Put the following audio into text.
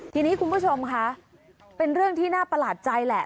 ทีนี้คุณผู้ชมค่ะเป็นเรื่องที่น่าประหลาดใจแหละ